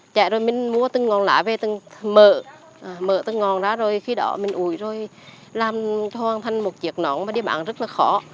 chạy rồi mình mua từng ngọn lá về từng mỡ mỡ từng ngọn lá rồi khi đó mình ui rồi làm hoàn thành một chiếc nón mà đi bán rất là khó